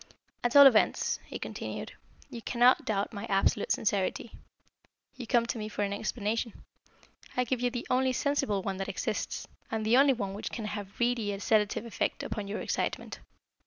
"At all events," he continued, "you cannot doubt my absolute sincerity. You come to me for an explanation. I give you the only sensible one that exists, and the only one which can have a really sedative effect upon your excitement.